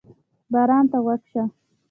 باران ته غوږ شه.